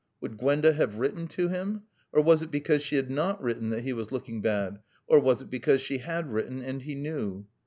Would Gwenda have written to him? Was it because she had not written that he was looking bad, or was it because she had written and he knew?